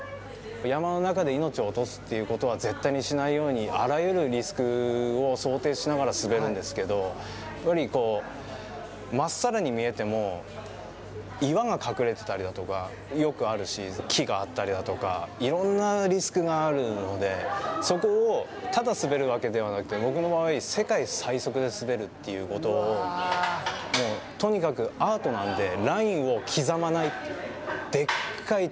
山の中で命を落とすということは絶対にしないように、あらゆるリスクを想定しながら滑るんですけれども真っさらに見えても、岩が隠れてたりだとかよくあるし、木があったりだとか、いろんなリスクがあるのでそこをただ滑るわけではなくて、僕の場合、世界最速で滑るということをとにかくアートなんで、ラインを刻まないという。